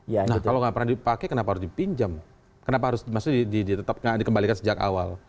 nah kalau nggak pernah dipakai kenapa harus dipinjam kenapa harus dikembalikan sejak awal